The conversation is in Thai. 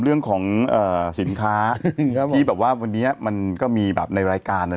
เรื่องของสินค้าที่แบบว่าวันนี้มันก็มีแบบในรายการ